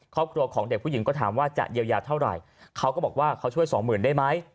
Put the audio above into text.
ครอบครัวของเด็กผู้หญิงก็ถามว่าจะเยียวยาเท่าไหร่เขาก็บอกว่าเขาช่วยสองหมื่นได้ไหม